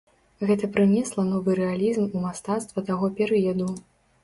Гэта прынесла новы рэалізм у мастацтва таго перыяду.